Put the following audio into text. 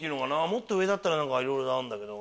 もっと上だったらいろいろあるけど。